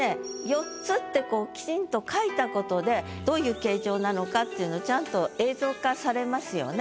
「四つ」ってこうきちんと書いたことでどういう形状なのかっていうのちゃんと映像化されますよね。